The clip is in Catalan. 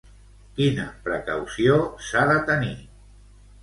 Quina precaució s'ha de tenir?